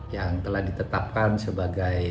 yang telah ditetapkan sebagai